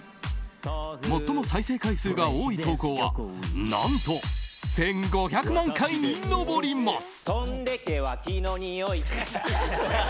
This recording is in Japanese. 最も再生回数が多い投稿は何と１５００万回に上ります。